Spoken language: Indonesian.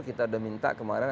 kita udah minta kemarin